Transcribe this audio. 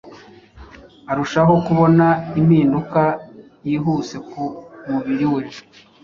arushaho kubona impinduka yihuse ku mubiri we